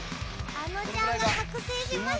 あのちゃんが覚醒しました！